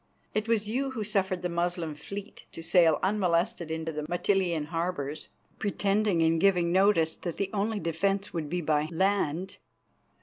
It was you who suffered the Moslem fleet to sail unmolested into the Mitylene harbours, pretending and giving notice that the only defence would be by land.